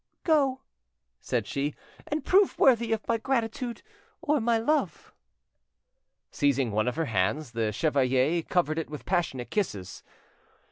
"Go!" said she, "and prove worthy of my gratitude—or my love." Seizing one of her hands, the chevalier covered it with passionate kisses.